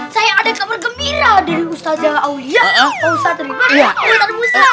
saya ada kabar gembira dari ustazah aulia ustadz riban ustadz musa